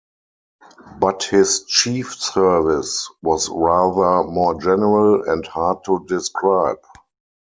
But his chief service was rather more general, and hard to describe.